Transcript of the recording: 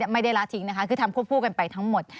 ไม่ได้ละทิ้งนะคะคือทำควบคู่กันไปทั้งหมด